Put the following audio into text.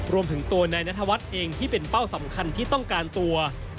รวมถึงตัวนายนัทวัฒน์เองที่เป็นเป้าสำคัญที่ต้องการตัว